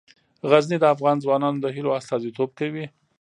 غزني د افغان ځوانانو د هیلو استازیتوب کوي.